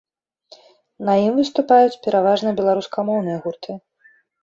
На ім выступаюць пераважна беларускамоўныя гурты.